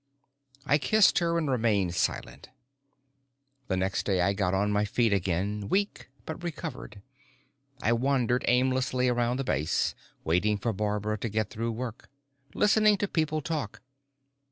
I kissed her and remained silent. The next day I got on my feet again, weak but recovered. I wandered aimlessly around the base, waiting for Barbara to get through work, listening to people talk.